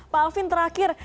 pak alvin terakhir